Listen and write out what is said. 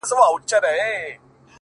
• ډېـــره شناخته مي په وجود كي ده،